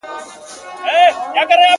ستا پستې پستې خبري مي یا دېږي,